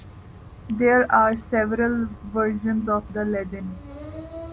There are several versions of the legend.